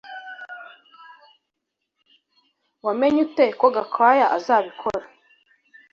Wamenye ute ko Gakwaya azabikora